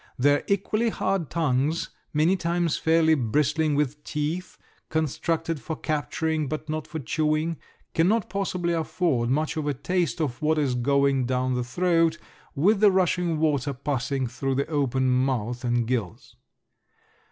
Their equally hard tongues, many times fairly bristling with teeth constructed for capturing, but not for chewing, cannot possibly afford much of a taste of what is going down the throat with the rushing water passing through the open mouth and gills.